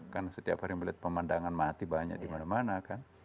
karena setiap hari melihat pemandangan mati banyak dimana mana kan